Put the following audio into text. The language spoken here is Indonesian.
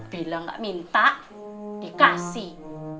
bila gak minta dikasih